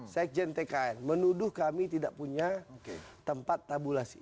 sekjen tkn menuduh kami tidak punya tempat tabulasi